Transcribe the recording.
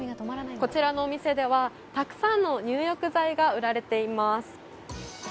こちらのお店ではたくさんの入浴剤が売られています。